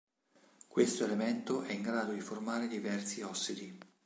Questo elemento è in grado di formare diversi ossidi.